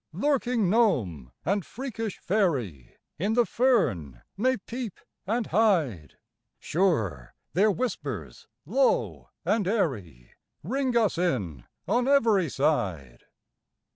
Lurking gnome and freakish fairy In the fern may peep and hide ... Sure their whispers low and airy Ring us in on every side!